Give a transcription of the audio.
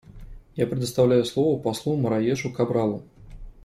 Я предоставляю слово послу Мораешу Кабралу.